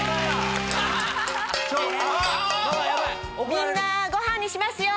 みんなごはんにしますよ！